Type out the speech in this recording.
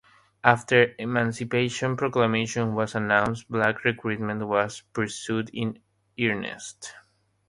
After the Emancipation Proclamation was announced, black recruitment was pursued in earnest.